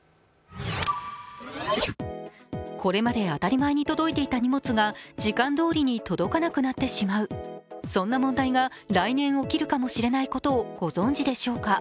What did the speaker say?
これまで当たり前に届いていた荷物が時間通りに届かなくなってしまう、そんな問題が来年起きるかもしれないことをご存じでしょうか？